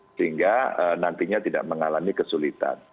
sehingga nantinya tidak mengalami kesulitan